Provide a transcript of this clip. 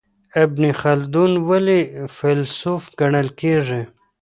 ابن خلدون ولي فیلسوف ګڼل کیږي؟